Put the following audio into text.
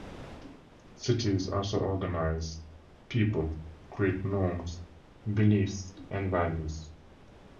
Cities also organize people, create norms, beliefs, and values.